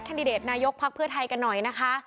ดิเดตนายกภักดิ์เพื่อไทยกันหน่อยนะคะ